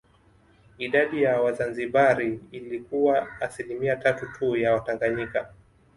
Idadi ya Wazanzibari ilikuwa asilimia tatu tu ya Watanganyika